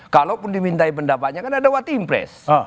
kalaupun dimintai pendapatnya kan ada watim pres